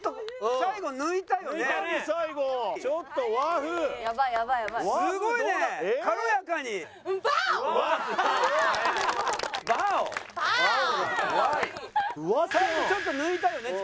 最後ちょっと抜いたよね力。